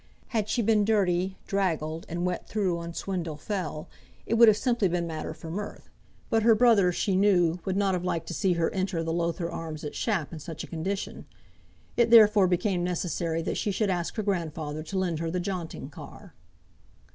Had she been dirty, draggled, and wet through on Swindale fell, it would have simply been matter for mirth; but her brother she knew would not have liked to see her enter the Lowther Arms at Shap in such a condition. It, therefore, became necessary that she should ask her grandfather to lend her the jaunting car.